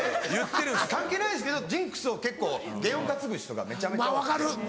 関係ないですけどジンクスを結構験を担ぐ人がめちゃめちゃ多くて。